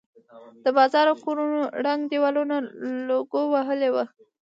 د بازار او کورونو ړنګ دېوالونه لوګو وهلي ول.